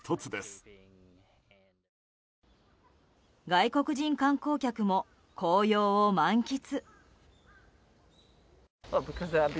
外国人観光客も紅葉を満喫。